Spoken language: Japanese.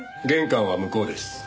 玄関は向こうです。